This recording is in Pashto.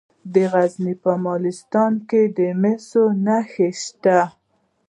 د غزني په مالستان کې د مسو نښې شته.